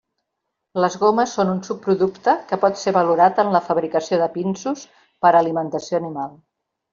Les gomes són un subproducte que pot ser valorat en la fabricació de pinsos per a alimentació animal.